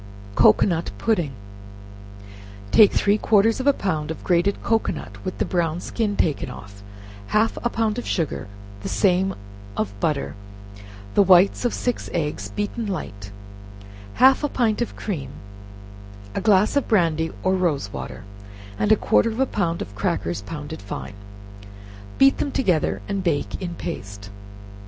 Cocoanut Pudding. Take three quarters of a pound of grated cocoanut, with the brown skin taken off, half a pound of sugar, the same of butter, the whites of six eggs, beaten light, half a pint of cream, a glass of brandy, or rose water, and a quarter of a pound of crackers, pounded fine, beat them together and bake in paste.